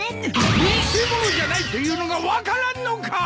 見せ物じゃないというのが分からんのかー！